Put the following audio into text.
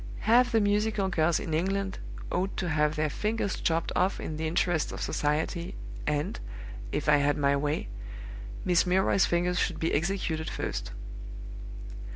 Half the musical girls in England ought to have their fingers chopped off in the interests of society, and, if I had my way, Miss Milroy's fingers should be executed first.